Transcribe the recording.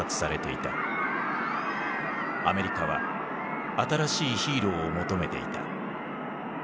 アメリカは新しいヒーローを求めていた。